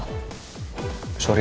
siapa yang bisa di cancel